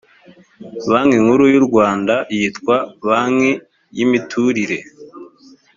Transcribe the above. banki nkuru y u rwanda yitwa banki yimiturire